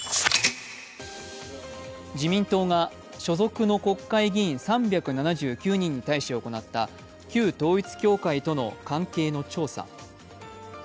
自民党が所属の国会議員３７９人に対して行った旧統一教会との関係の調査。